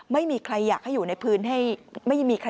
ไม่มีใครอยากให้อยู่ในพื้นที่ไม่มีใคร